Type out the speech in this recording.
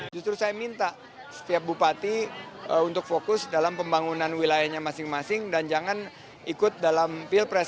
justru saya minta setiap bupati untuk fokus dalam pembangunan wilayahnya masing masing dan jangan ikut dalam pilpres